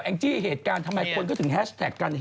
แอง๊กจี่เหตุการณ์ทำไมก่อนก็ถึงแฮชตะค์กัน